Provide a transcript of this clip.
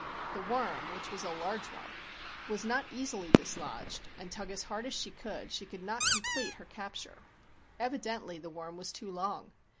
The worm, which was a large one, was not easily dislodged and tug as hard as she could, she could not complete her capture. Evidently the worm was too long.